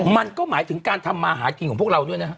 มันก็หมายถึงการทำมาหากินของพวกเราด้วยนะฮะ